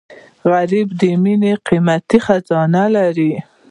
غریب د مینې قیمتي خزانه لري